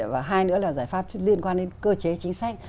và hai nữa là giải pháp liên quan đến cơ chế chính sách